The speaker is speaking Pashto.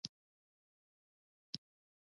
لړزې اخیستی وم ځکه دا مې لومړی ځل و